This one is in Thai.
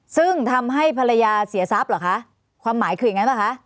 ซึ่งทำให้ภรรยาเสียทรัพย์เหรอคะความหมายคืออย่างนั้นป่ะคะ